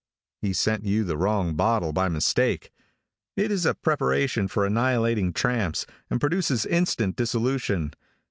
He sent you the wrong bottle by mistake. It is a preparation for annihilating tramps, and produces instant dissolution.